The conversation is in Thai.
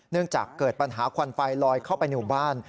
จากเกิดปัญหาควันไฟลอยเข้าไปในหมู่บ้าน